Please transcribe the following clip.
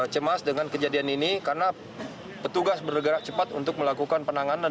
cemas dengan kejadian ini karena petugas bergerak cepat untuk melakukan penanganan